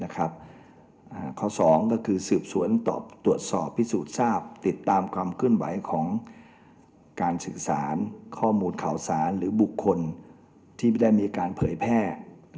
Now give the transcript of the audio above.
ข้อ๒ก็คือสืบสวนตรวจสอบพิสูจน์ทราบติดตามความเคลื่อนไหวของการสื่อสารข้อมูลข่าวสารหรือบุคคลที่ไม่ได้มีการเผยแพร่